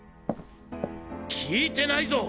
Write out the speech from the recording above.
聞いてないぞ。